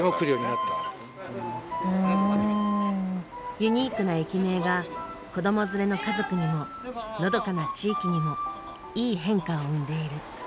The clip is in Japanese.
ユニークな駅名が子ども連れの家族にものどかな地域にもいい変化を生んでいる。